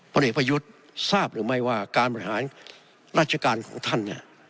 ผลเอกประยุทธ์ทราบหรือไม่ว่าการบริหารราชการของท่านเนี่ย